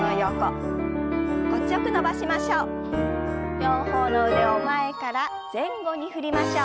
両方の腕を前から前後に振りましょう。